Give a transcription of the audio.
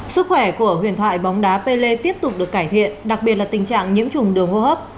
sức khỏe của huyền thoại bóng đá pelle tiếp tục được cải thiện đặc biệt là tình trạng nhiễm trùng đường hô hấp